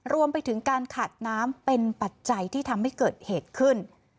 รวมไปถึงการขาดน้ำเป็นปัจจัยที่ทำให้เกิดเหตุขึ้น